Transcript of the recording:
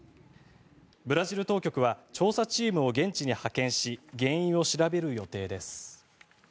ブラジル当局は調査チームを現地に派遣し原因を調べる予定です。